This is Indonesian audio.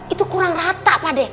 itu kurang rata pak deh